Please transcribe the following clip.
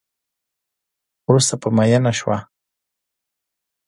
وروسته پرې میېنه شوه.